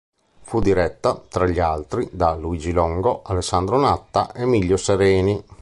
Fu diretta, tra gli altri, da Luigi Longo, Alessandro Natta, Emilio Sereni.